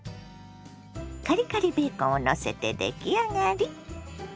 カリカリベーコンをのせて出来上がり。